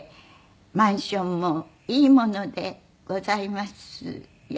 「マンションもいいものでございますよ」